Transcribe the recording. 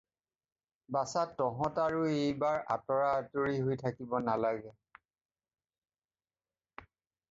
বাছা তঁহত আৰু এইবাৰ আঁতৰা-আঁতৰি হৈ থাকিব নালাগে।